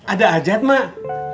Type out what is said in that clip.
ada ajat mbak